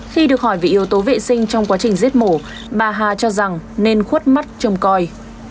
khi được hỏi về yếu tố vệ sinh trong quá trình giết mổ bà hà cho rằng nên khuất mắt trông coi